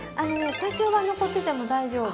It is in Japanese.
多少は残ってても大丈夫。